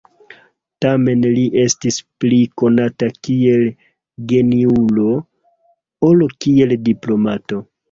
Tamen li estis pli konata kiel geniulo ol kiel diplomato.